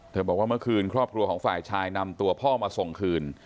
บอกว่าเมื่อคืนครอบครัวของฝ่ายชายนำตัวพ่อมาส่งคืน